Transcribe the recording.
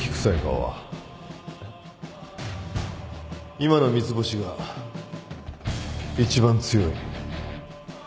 今の三ツ星が一番強い。